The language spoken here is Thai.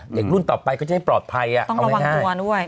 อย่างรุ่นต่อไปก็จะให้ปลอดภัยเอาไว้ให้ต้องระวังตัวด้วย